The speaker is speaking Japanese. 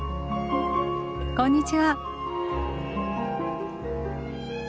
こんにちは。